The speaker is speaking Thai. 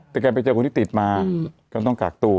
แต่แกไปเจอคนที่ติดมาก็ต้องกักตัว